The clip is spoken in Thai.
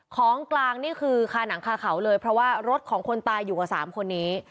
ของกลางนี่คือคาหนังคาเขาเลยเพราะว่ารถของคนตายอยู่กับ๓คนนี้